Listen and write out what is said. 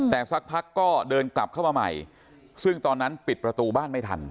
แต่สักพักก็เดินกลับเข้ามาใหม่ซึ่งตอนนั้นปิดประตูบ้านไม่ทัน